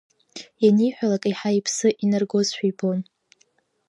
Ианиҳәалак, еиҳа иԥсы инаргозшәа ибон.